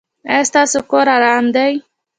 ایا ستاسو کور ارام دی؟